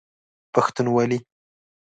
پښتونوالی